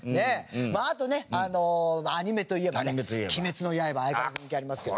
まああとねアニメといえばね『鬼滅の刃』相変わらず人気ありますけど。